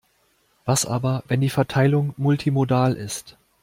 Was aber, wenn die Verteilung multimodal ist?